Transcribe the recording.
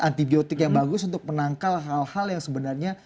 antibiotik yang bagus untuk menangkal hal hal yang sebenarnya